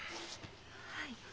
はい。